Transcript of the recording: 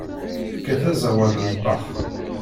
Tekkat aẓawan n Bach.